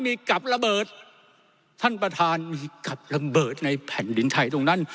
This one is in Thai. มีกับระเบิดท่านประธานมีกับระเบิดในแผ่นดินไทยตรงนั้น